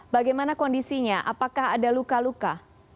bagaimana kondisinya apakah ada luka luka